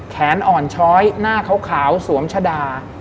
แขนอ่อนช้อยหน้าขาวสวมชะดา